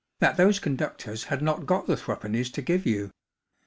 that those conductors had not got the three pennies to give you.